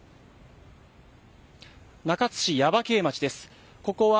中津市耶馬渓町です。